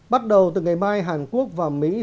bắt đầu từ ngày mai hàn quốc và mỹ